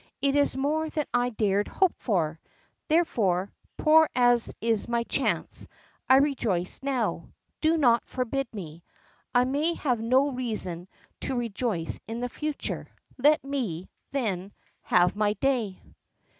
It is more than I dared hope for! Therefore, poor as is my chance, I rejoice now. Do not forbid me. I may have no reason to rejoice in the future. Let me, then, have my day."